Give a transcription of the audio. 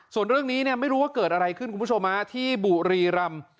ส่วนเรื่องนี้เนี่ยไม่รู้ว่าเกิดอะไรขึ้นคุณผู้ชมที่บุรีรำ